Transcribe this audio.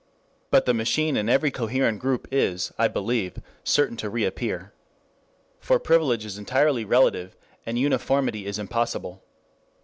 But the machine in every coherent group is, I believe, certain to reappear. For privilege is entirely relative, and uniformity is impossible.